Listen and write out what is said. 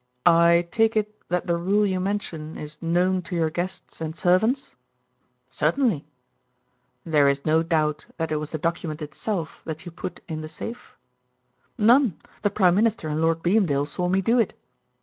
"I take it that the rule you mention is known to your guests and servants?" "Certainly." "There is no doubt that it was the document itself that you put in the safe?" "None; the Prime Minister and Lord Beamdale saw me do it."